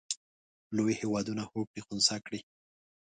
لوی هېوادونه هوکړې خنثی کړي.